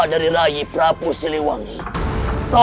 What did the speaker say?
dia itu kakak dari kenting manik